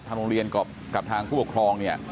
ทางโรงเรียนกับทางผู้หกครอง